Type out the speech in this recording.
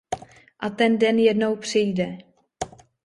A ten den jednou přijde.